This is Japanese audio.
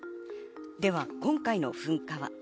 では今回の噴火は？